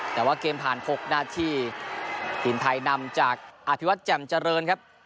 แต่ว่าเกมผ่าน๖นาทีทีมไทยนำจากอภิวัตรแจ่มเจริญครับ